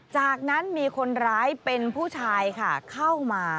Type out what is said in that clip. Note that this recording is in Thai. จากนั้นมีคนร้ายเป็นผู้ชายค่ะเข้ามา